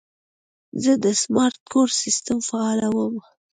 زه د سمارټ کور سیسټم فعالوم.